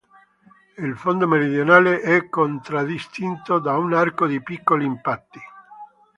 Il fondo meridionale è contraddistinto da un arco di piccoli impatti.